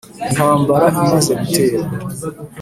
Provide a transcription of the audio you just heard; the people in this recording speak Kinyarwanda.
intambara imaze gutera,